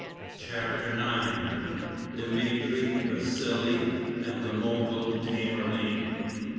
CHAPTER IX DMITRI, VASSALI, AND THE MOGOL TAMERLANE.